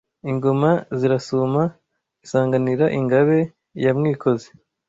Ingoma zirasuma isanganira ingabe ya Mwikozi